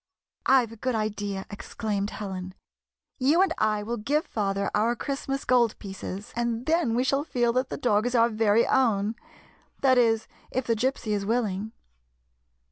" I 've a good idea," exclaimed Helen. " You and I will give father our Christmas gold pieces, and then we shall feel that the dog is our very own — that is, if the Gypsy is willing."